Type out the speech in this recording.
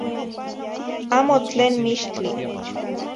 Amo tlen mixtli